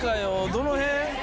どの辺？